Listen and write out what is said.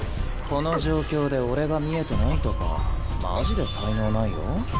この状況で俺が見えてないとかマジで才能ないよ。